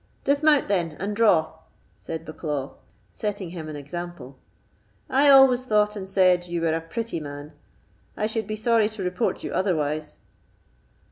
"Dismount then, and draw," said Bucklaw, setting him an example. "I always thought and said you were a pretty man; I should be sorry to report you otherwise."